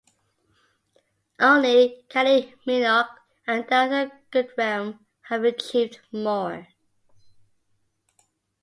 Only Kylie Minogue and Delta Goodrem have achieved more.